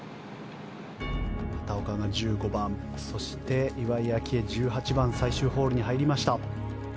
畑岡が１５番そして岩井明愛、１８番最終ホールに入りました。